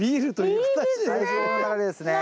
いいですね！